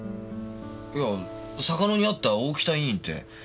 いや嵯峨野にあった大北医院って。